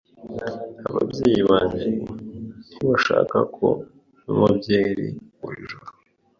Ababyeyi banjye ntibashaka ko nywa byeri buri joro.